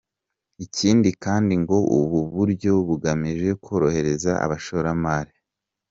Ikindi kandi ngo ubu buryo bugamije korohereza abashoramari.